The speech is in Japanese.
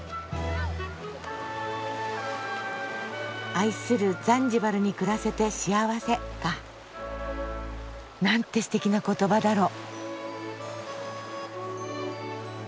「愛するザンジバルに暮らせて幸せ」か。なんてすてきな言葉だろう。